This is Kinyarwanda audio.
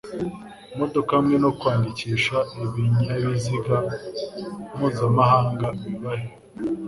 Imodoka hamwe no kwandikisha ibinyabiziga mpuzamahanga biva he?